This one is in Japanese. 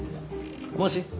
もし？